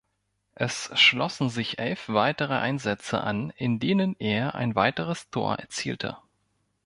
Es schlossen sich elf weitere Einsätze an, in denen er ein weiteres Tor erzielte.